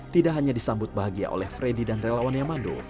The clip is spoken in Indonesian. tidak hanya disambut bahagia oleh freddy dan relawan yamando